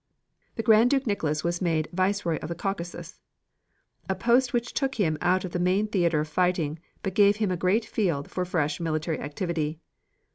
The Grand Duke Nicholas was made Viceroy of the Caucasus, a post which took him out of the main theater of fighting but gave him a great field for fresh military activity.